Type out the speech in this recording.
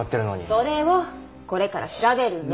それをこれから調べるの。